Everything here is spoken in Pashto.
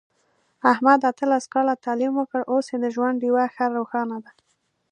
احمد اتلس کاله تعلیم وکړ، اوس یې د ژوند ډېوه ښه روښانه ده.